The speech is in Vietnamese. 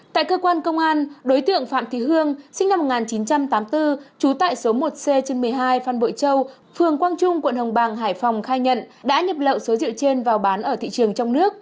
tại cơ quan công an đối tượng phạm thị hương sinh năm một nghìn chín trăm tám mươi bốn trú tại số một c trên một mươi hai phan bội châu phường quang trung quận hồng bàng hải phòng khai nhận đã nhập lậu số rượu trên vào bán ở thị trường trong nước